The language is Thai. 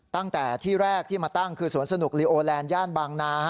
ตั้งแต่ที่แรกที่มาตั้งคือสวนสนุกลีโอแลนด์ย่านบางนา